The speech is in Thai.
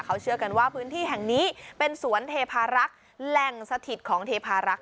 เขาเชื่อกันว่าพื้นที่แห่งนี้เป็นสวนเทพารักษ์แหล่งสถิตของเทพารักษ